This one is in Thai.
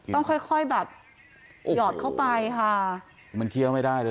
ต้องค่อยค่อยแบบหยอดเข้าไปค่ะมันเคี้ยวไม่ได้เลย